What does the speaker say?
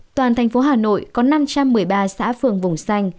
toàn thành phố hà nội có năm trăm một mươi ba xã phường vùng xanh